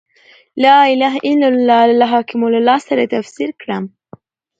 «لا اله الا الله» له «لا حاکم الا الله» سره تفسیر کړه.